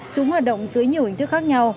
chúng hoạt động dưới nhiều hình thức khác nhau